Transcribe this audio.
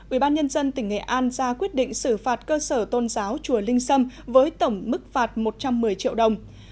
ubnd tỉnh nghệ an ra quyết định xử phạt cơ sở tôn giáo chùa linh sâm với tổng mức phạt một trăm một mươi triệu đồng